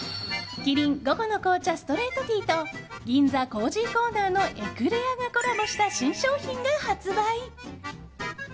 キリン午後の紅茶ストレートティーと銀座コージーコーナーのエクレアがコラボした新商品が発売。